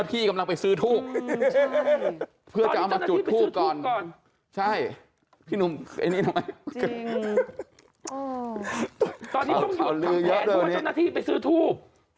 ตอนนี้ต้องยอมรับเพราะว่าเจ้าหน้าที่ไปซื้อทูบ